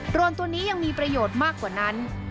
รอนตัวนี้ยังมีประโยชน์มากกว่านั้น